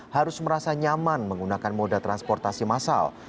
harus merasa nyaman menggunakan moda transportasi massal